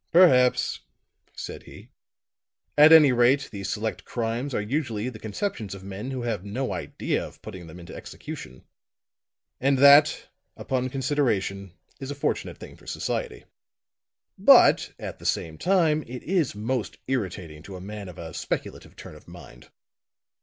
"Perhaps," said he. "At any rate the select crimes are usually the conceptions of men who have no idea of putting them into execution. And that, upon consideration, is a fortunate thing for society. But, at the same time, it is most irritating to a man of a speculative turn of mind.